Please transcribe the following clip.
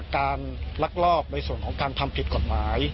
ลักลอบในส่วนของการทำผิดกฎหมาย